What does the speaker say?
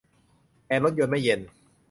แอร์รถยนต์ไม่เย็น